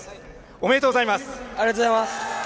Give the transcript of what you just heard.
おめでとうございます。